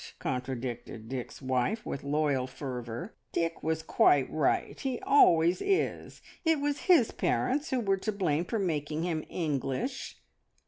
contradicted Dick's wife, with loyal fervour. "Dick was quite right; he always is. It was his parents who were to blame for making him English."